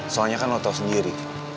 soalnya kan lo tau sendiri